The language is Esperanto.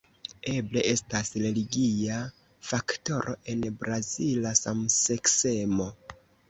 Eble estas religia faktoro en brazila samseksemo.